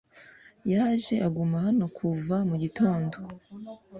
yaje aguma hano kuva mu gitondo